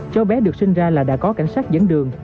cháu bé được sinh ra là đã có cảnh sát dẫn đường